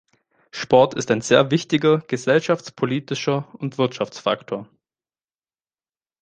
Sport ist ein sehr wichtiger gesellschaftspolitischer und Wirtschaftsfaktor.